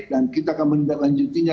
dan kita akan menindaklanjutinya